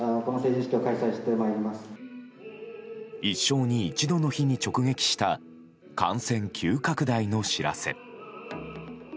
一生に一度の日に直撃した感染急拡大の知らせ。